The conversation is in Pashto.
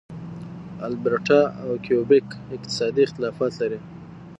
البرټا او کیوبیک اقتصادي اختلافات لري.